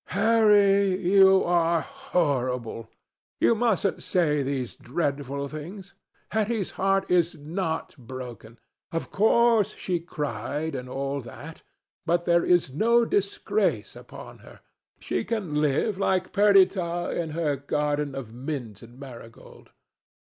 "Harry, you are horrible! You mustn't say these dreadful things. Hetty's heart is not broken. Of course, she cried and all that. But there is no disgrace upon her. She can live, like Perdita, in her garden of mint and marigold."